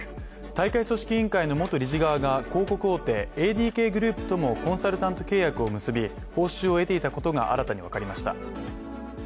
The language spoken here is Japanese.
大会組織委員会の元理事側が広告大手ＡＤＫグループともコンサルタント契約を結び報酬を得ていたことが新たに分かりました。